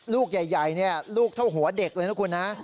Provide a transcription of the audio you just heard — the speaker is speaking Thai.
ลูกใหญ่ลูกเท่าหัวเด็กเลยนะคุณนะ